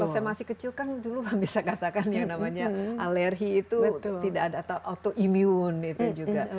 kalau saya masih kecil kan dulu bisa katakan yang namanya alergi itu tidak ada autoimun itu juga